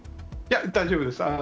いや、大丈夫です。